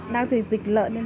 nào thì dịch lợn